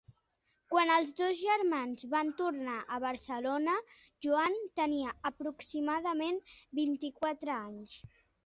Quan els dos germans van tornar a Barcelona, Joan tenia aproximadament vint-i-quatre anys.